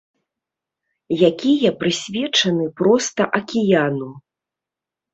Якія прысвечаны проста акіяну.